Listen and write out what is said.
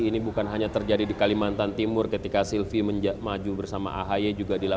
ini bukan hanya terjadi di kalimantan timur ketika sylvie maju bersama ahy juga dilakukan